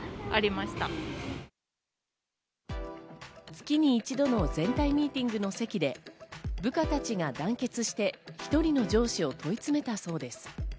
月に一度の全体ミーティングの席で部下たちが団結して１人の上司を問い詰めたそうです。